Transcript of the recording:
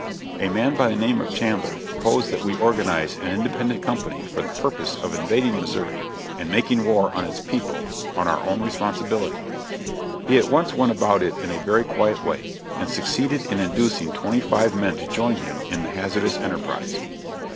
A man by the name of Chandler proposed that we organize an independent company for the purpose of invading Missouri and making war on its people on our own responsibility. He at once went about it in a very quiet way, and succeeded in inducing twenty five men to join him in the hazardous enterprise.